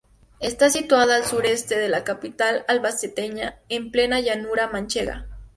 Está situado al sureste de la capital albaceteña, en plena llanura manchega.